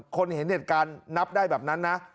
เห็นเหตุการณ์นับได้แบบนั้นนะ